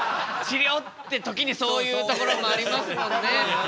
治りょうって時にそういうところもありますもんね。